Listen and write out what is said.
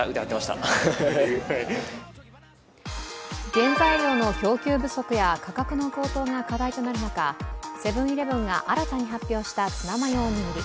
原材料の供給不足や価格の高騰が課題となる中セブン−イレブンが新たに発表したツナマヨおにぎり。